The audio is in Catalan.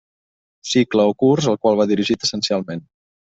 Cicle o curs al qual va dirigit essencialment.